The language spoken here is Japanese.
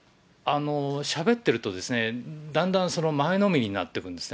しゃべってるとですね、だんだん前のめりになってくるんですね。